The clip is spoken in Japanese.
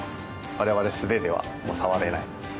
我々素手では触れないんですね。